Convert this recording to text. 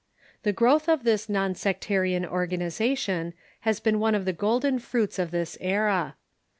The growth of this non sectarian organization is one of the golden fruits of this era.